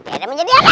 nanti ada menjadi apa